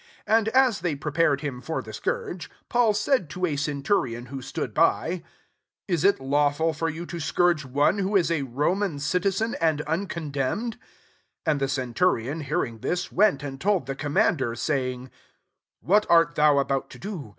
25 And as they prepared him for the scourge, Paul said to ^ centurion who stood by, *« Is it lawful for you to, scourge one who is a Roman citizen^ and uncondemned ?" 26 And the centurion hearing thia^ went and told the com mander, saying, ^ What art thou about to do